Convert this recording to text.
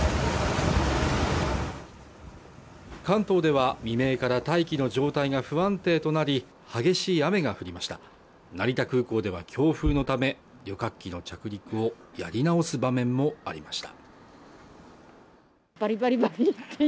関東では未明から大気の状態が不安定となり激しい雨が降りました成田空港では強風のため旅客機の着陸をやり直す場面もありました